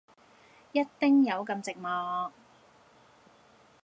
一丁友咁寂寞